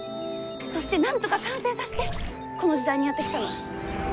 そしてなんとか完成させてこの時代にやって来たの。